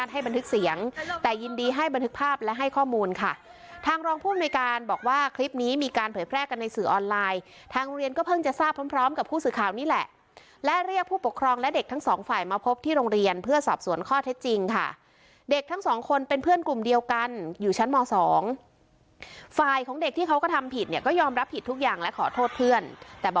ให้บันทึกภาพและให้ข้อมูลค่ะทางรองผู้อเมริกาบอกว่าคลิปนี้มีการเผยแพร่กันในสื่อออนไลน์ทางโรงเรียนก็เพิ่งจะทราบพร้อมกับผู้สื่อข่าวนี้แหละและเรียกผู้ปกครองและเด็กทั้งสองฝ่ายมาพบที่โรงเรียนเพื่อสับสวนข้อเท็จจริงค่ะเด็กทั้งสองคนเป็นเพื่อนกลุ่มเดียวกันอยู่ชั้นม๒ฝ่ายของเด็